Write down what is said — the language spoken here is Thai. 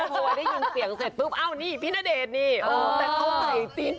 จ๋อได้ยินเสียงเสร็จปุ๊บเอ้านี่พี่ณเดชน์นี่